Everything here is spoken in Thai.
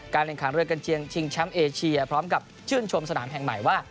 แข่งขันเรือกันเจียงชิงแชมป์เอเชียพร้อมกับชื่นชมสนามแห่งใหม่ว่า